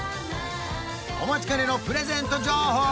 お待ちかねのプレゼント情報